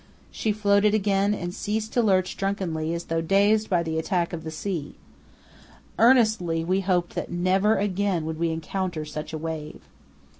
She floated again and ceased to lurch drunkenly as though dazed by the attack of the sea. Earnestly we hoped that never again would we encounter such a wave.